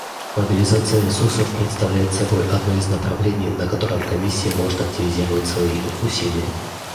Мобилизация ресурсов представляет собой одно из направлений, на котором Комиссия может активизировать свои усилия.